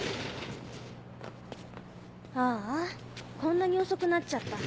ああこんなに遅くなっちゃった。